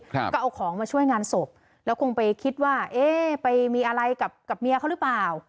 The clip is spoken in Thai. ครับก็เอาของมาช่วยงานศพแล้วคงไปคิดว่าเอ๊ะไปมีอะไรกับกับเมียเขาหรือเปล่า